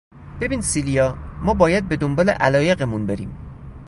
ببین سیلیا، ما باید به دنبال علایقمون بریم.